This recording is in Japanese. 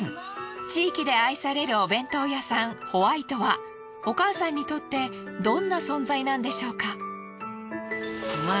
地域で愛されるお弁当屋さんほわいとはお母さんにとってどんな存在なんでしょうか？